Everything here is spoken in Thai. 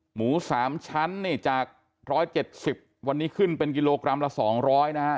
หมูสามชั้นเนี่ยจากร้อยเจ็ดสิบวันนี้ขึ้นเป็นกิโลกรัมละสองร้อยนะฮะ